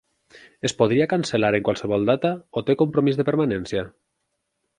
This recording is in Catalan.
Es podria cancel·lar en qualsevol data o té compromís de permanència?